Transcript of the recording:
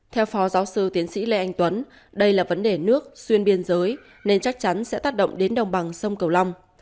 theo phó giáo sư tiến sĩ lê anh tuấn đây là vấn đề nước xuyên biên giới nên chắc chắn sẽ tác động đến đồng bằng sông cầu long